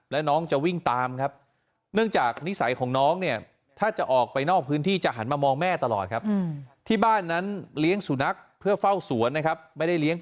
และน้องจะวิ่งตามครับเนื่องจากนิสัยของน้องเนี่ย